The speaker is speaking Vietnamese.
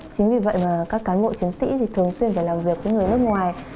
chính vì vậy các cán bộ chiến sĩ thường xuyên phải làm việc với người nước ngoài